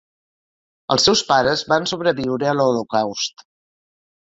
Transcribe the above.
Els seus pares varen sobreviure a l'Holocaust.